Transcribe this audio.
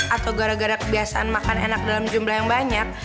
atau gara gara kebiasaan makan enak dalam jumlah yang banyak